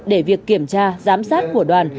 để việc kiểm tra giám sát của đoàn